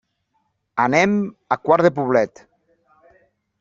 Anem a Quart de Poblet.